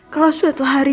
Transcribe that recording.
kalau suatu hari